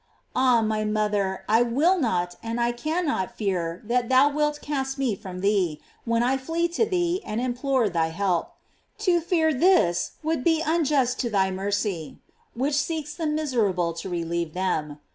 Ah, my mother, I will not and I cannot fear that thou wilt cast me from thee, when I flee to thee and implore thy help. To fear this, would be unjust to thy mercy, which seeks the miserable to relieve them.